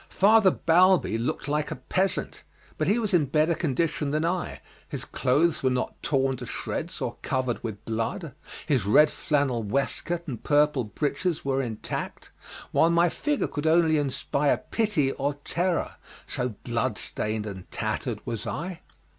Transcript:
Father Balbi looked like a peasant, but he was in better condition than I, his clothes were not torn to shreds or covered with blood, his red flannel waistcoat and purple breeches were intact, while my figure could only inspire pity or terror, so bloodstained and tattered was I.